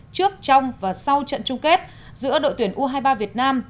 trước trong và sau trận chung kết giữa đội tuyển u hai mươi ba việt nam